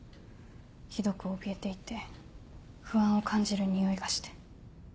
ひどくおびえていて不安を感じる匂いがして。